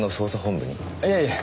いえいえ。